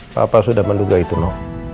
bapak sudah menduga itu no